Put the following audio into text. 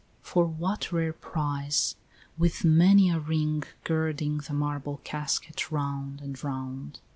for what rare prize, with many a ring Girding the marble casket round and round?